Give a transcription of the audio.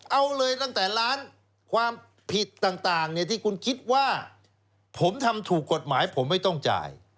เอาเลยตั้งแต่ล้านความผิดต่างที่คุณคิดว่าผมทำถูกกฎหมายผมไม่ต้องจ่าย